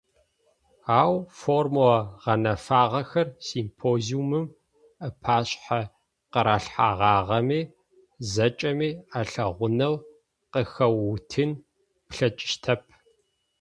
Ау, формула гъэнэфагъэхэр, симпозиумым ыпашъхьэ къыралъхьэгъагъэми, зэкӏэми алъэгъунэу къыхэуутын плъэкӏыщтэп.